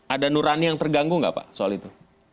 ada nurani yang terganggu nggak pak soal itu